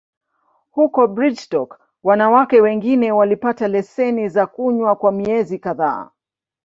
Huko Brigstock, wanawake wengine walipata leseni za kunywa kwa miezi kadhaa.